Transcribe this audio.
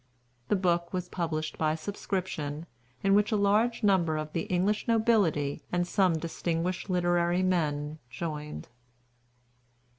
The book was published by subscription, in which a large number of the English nobility and some distinguished literary men joined.